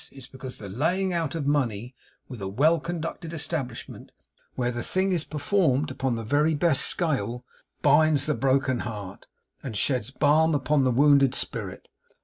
It's because the laying out of money with a well conducted establishment, where the thing is performed upon the very best scale, binds the broken heart, and sheds balm upon the wounded spirit.